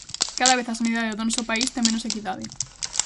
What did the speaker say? Cada vez a sanidade do noso país ten menos equidade.